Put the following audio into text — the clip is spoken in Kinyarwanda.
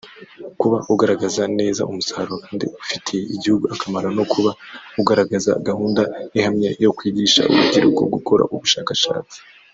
kuba ugaragaza neza umusaruro kandi ufitiye igihugu akamaro no kuba ugaragaza gahunda ihamye yo kwigisha urubyiruko gukora ubushakashatsi